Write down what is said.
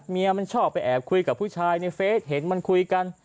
เมียมันชอบไปแอบคุยกับผู้ชายในเฟซเห็นมันคุยกัน